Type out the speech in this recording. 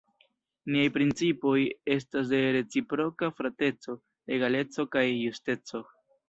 Niaj principoj estas de reciproka frateco, egaleco kaj justeco.